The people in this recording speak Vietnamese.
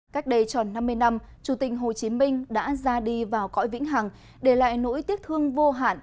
cách đây tròn năm mươi năm chủ tịch hồ chí minh đã ra đi vào cõi vĩnh hằng để lại nỗi tiếc thương vô hạn